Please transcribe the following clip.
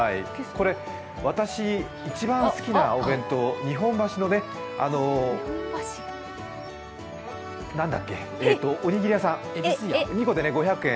これ、私、一番好きなお弁当、日本橋の、おにぎり屋さん、２個で５００円。